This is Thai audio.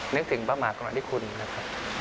นึกถึงประมาทของนายคุณนะครับ